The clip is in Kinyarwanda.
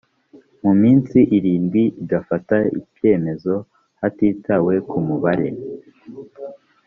mu minsi irindwi igafata ibyemezo hatitawe ku mubare